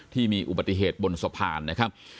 ที่มีอุบัติเหตุบนสะพานนะครับ